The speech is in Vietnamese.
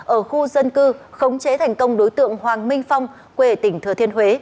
ở khu dân cư khống chế thành công đối tượng hoàng minh phong quê tỉnh thừa thiên huế